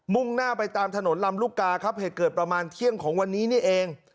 ่งหน้าไปตามถนนลำลูกกาครับเหตุเกิดประมาณเที่ยงของวันนี้นี่เอง